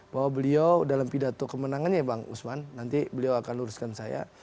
bahwa beliau dalam pidato kemenangannya bang usman nanti beliau akan luruskan saya